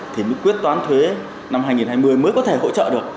thì mới quyết toán thuế năm hai nghìn hai mươi mới có thể hỗ trợ được